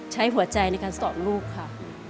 ใช้หัวใจในการสอนลูกค่ะ